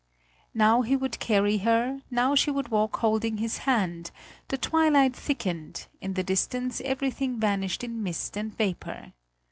Now he would carry her, now she would walk holding his hand; the twilight thickened; in the distance everything vanished in mist and vapour.